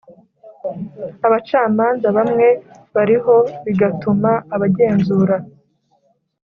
abacamanza bamwe bariho, bigatuma abagenzura